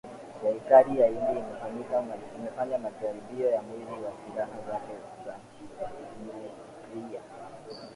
serikali ya india imefanya majaribio mawili ya silaha zake za nyuklia